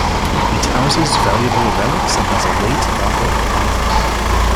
It houses valuable relics and has a late-gothic altar.